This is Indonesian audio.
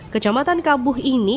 kecamatan kabuh ini